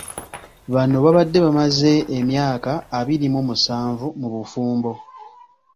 Bano babadde bamaze emyaka abiri mu musanvu mu bufumbo.